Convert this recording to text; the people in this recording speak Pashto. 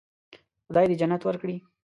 خدای دې جنت ورکړي.